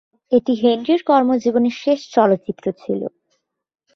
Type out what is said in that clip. এটি হেনরির কর্মজীবনের শেষ চলচ্চিত্র ছিল।